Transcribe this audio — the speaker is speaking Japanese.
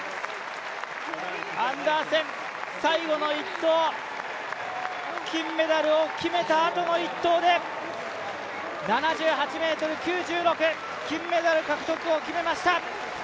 アンダーセン、最後の１投金メダルを決めたあとの１投で７８ｍ９６、金メダル獲得を決めました。